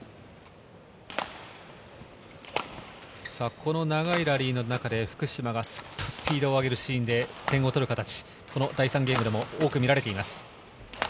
この長いラリーの中で福島がサッとスピード上げるシーンで点を取る形、第３ゲームでも多く見られています。